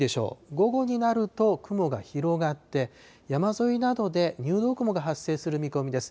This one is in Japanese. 午後になると、雲が広がって、山沿いなどで入道雲が発生する見込みです。